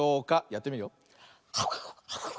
やってみるよ。